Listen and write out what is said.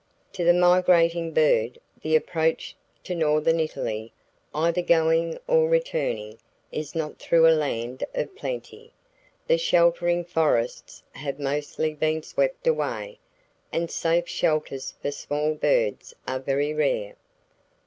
To the migrating bird, the approach to northern Italy, either going or returning, is not through a land of plenty. The sheltering forests have mostly been swept away, and safe shelters for small birds are very rare.